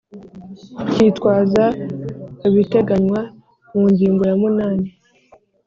cyitwaza ibiteganywa mu ngingo ya munani